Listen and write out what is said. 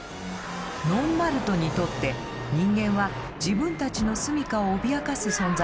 ノンマルトにとって人間は自分たちの住みかを脅かす存在でした。